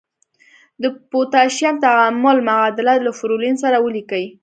د پوتاشیم تعامل معادله له فلورین سره ولیکئ.